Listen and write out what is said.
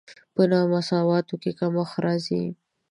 په نامساواتوب کې کمښت راځي.